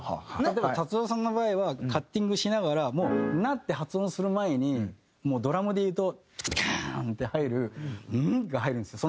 でも達郎さんの場合はカッティングしながらもう「な」って発音する前にドラムでいうとタカタカターンって入る「ン」が入るんですよ